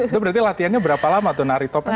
itu berarti latihannya berapa lama tuh nari topeng